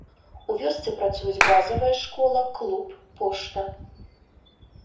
У вёсцы працуюць базавая школа, клуб, пошта.